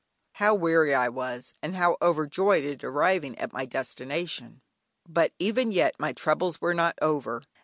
How weary I was, and how overjoyed at arriving at my destination! But even yet my troubles were not over.